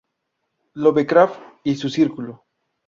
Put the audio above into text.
Lovecraft y su círculo.